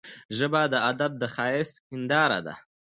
ژبه د ادب د ښايست هنداره ده